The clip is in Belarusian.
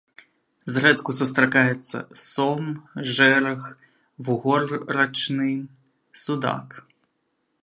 Зрэдку сустракаецца сом, жэрах, вугор рачны, судак.